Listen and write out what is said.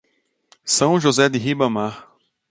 São José de Ribamar